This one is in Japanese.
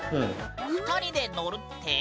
２人で乗るって？